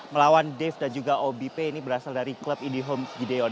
melawan dave dan juga obipe ini berasal dari klub idiom gideon